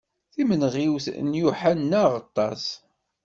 D timenɣiwt n Yuḥenna Aɣeṭṭas.